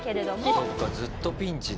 そうかずっとピンチだ。